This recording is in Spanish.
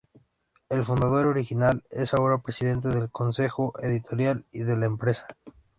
El fundador original es ahora presidente del consejo editorial y de la empresa.